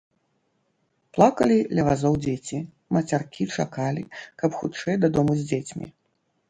Плакалі ля вазоў дзеці, мацяркі чакалі, каб хутчэй дадому з дзецьмі.